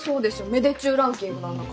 芽出中ランキングなんだから。